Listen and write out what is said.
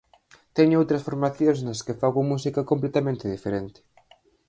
Teño outras formacións nas que fago música completamente diferente.